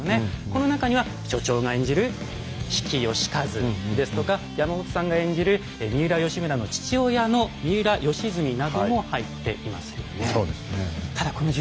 この中には所長が演じる比企能員ですとか山本さんが演じる三浦義村の父親の三浦義澄なども入っていますよね。